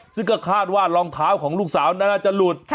ซึ่งก็คาดว่ารองเท้าของลูกสาวน่าจะหลุด